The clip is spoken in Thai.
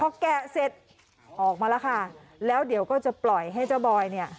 พอแกะเสร็จออกมาแล้วค่ะแล้วเดี๋ยวก็จะปล่อยให้เจ้าบอยเนี่ย